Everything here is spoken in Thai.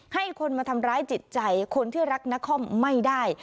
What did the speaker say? ให้คนมาทำร้ายจิตใจคนที่รักนครไม่ได้